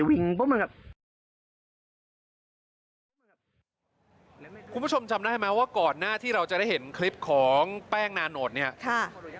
คุณผู้ชมจำได้ไหมว่าก่อนหน้าที่เราจะได้เห็นคลิปของแป้งนานโหดเนี่ยค่ะ